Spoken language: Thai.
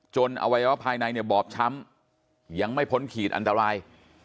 อวัยวะภายในเนี่ยบอบช้ำยังไม่พ้นขีดอันตราย